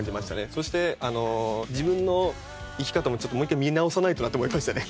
そして自分の生き方ももう一回見直さないとなと思いましたね。